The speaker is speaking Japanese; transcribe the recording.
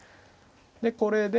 でこれで。